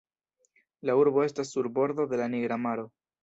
La urbo estas sur bordo de la Nigra maro.